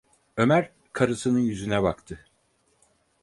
Ömer karısının yüzüne baktı: